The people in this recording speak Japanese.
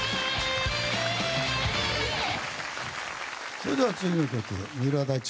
それでは次の曲三浦大知